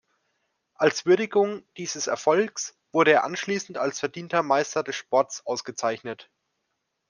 Als Würdigung dieses Erfolgs wurde er anschließend als Verdienter Meister des Sports ausgezeichnet.